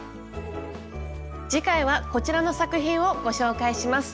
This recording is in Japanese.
次回はこちらの作品をご紹介します。